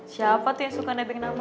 siapa tuh yang suka nebeng nama